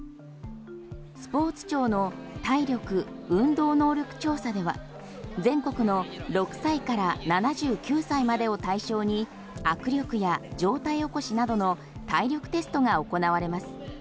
スポーツ庁の体力運動能力調査では全国の６歳から７９歳までを対象に握力や上体起こしなどの体力テストが行われます。